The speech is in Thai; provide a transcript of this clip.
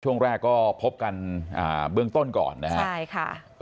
ช่วงแรกก็พบกันเบื้องต้นก่อนนะครับใช่ค่ะ